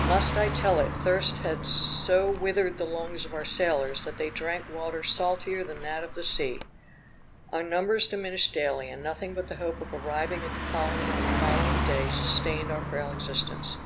Must I tell it! thirst had so withered the lungs of our sailors, that they drank water salter than that of the sea. Our numbers diminished daily, and nothing but the hope of arriving at the colony on the following day sustained our frail existence.